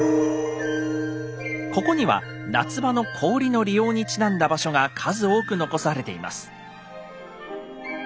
ここには夏場の氷の利用にちなんだ場所が数多く残されています。